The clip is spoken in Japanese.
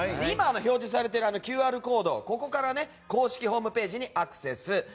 表示されているＱＲコードからここから公式ホームページにアクセス。